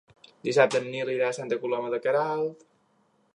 Dissabte en Nil irà a Santa Coloma de Queralt.